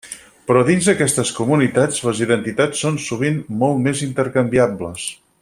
Però dins d'aquestes comunitats, les identitats són sovint molt més intercanviables.